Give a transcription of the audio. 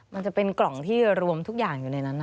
มันจะเป็นกล่องที่รวมทุกอย่างอยู่ในนั้น